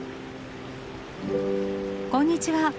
こんにちは。